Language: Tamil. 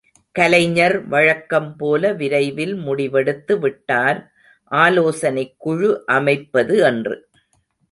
கலைஞர் வழக்கம் போல விரைவில் முடிவெடுத்து விட்டார் ஆலோசனைக் குழு அமைப்பது என்று!